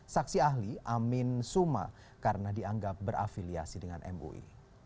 saksi ahli amin suma karena dianggap berafiliasi dengan mui